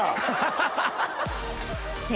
ハハハ！